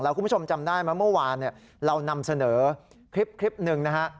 แล้วคุณผู้ชมจำได้มาเมื่อวานเนี่ยเรานำเสนอคลิปหนึ่งนะฮะ